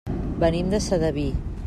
Venim de Sedaví.